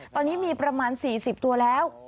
ตอนนี้มีประมาณ๔๐ตัวแล้ว